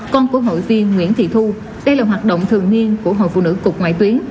con của hội viên nguyễn thị thu đây là hoạt động thường niên của hội phụ nữ cục ngoại tuyến